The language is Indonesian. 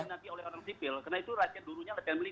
karena itu ratihan dulu